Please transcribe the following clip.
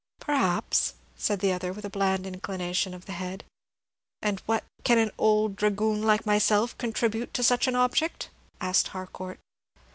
"Perhaps," said the other, with a bland inclination of the head. "And what can an old dragoon like myself contribute to such an object?" asked Harcourt.